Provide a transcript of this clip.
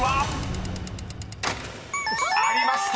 ［ありました。